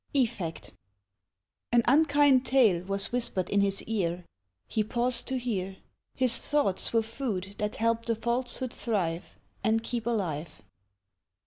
Effect. AN unkind tale was whispered in his ear. He paused to hear. His thoughts were food that helped a falsehood thrive, And keep alive.